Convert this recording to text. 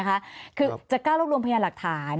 คือจะกล้ารวบรวมพยานหลักฐาน